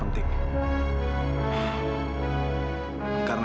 kenapa kamu ber warmil ini